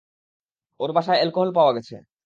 ওর বাসায় অ্যালকোহল পাওয়া গেছে।